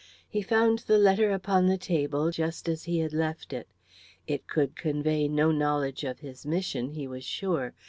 He found the letter upon the table just as he had left it. It could convey no knowledge of his mission, he was sure.